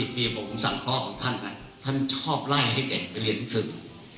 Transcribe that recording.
๓๔ปีผมสั่นพ่อของท่านท่านชอบไล่ให้เด็กไปเรียนลังสือ